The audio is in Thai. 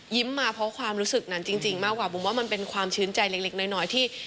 มาเพราะความรู้สึกนั้นจริงมากกว่าบุ๋มว่ามันเป็นความชื้นใจเล็กน้อยที่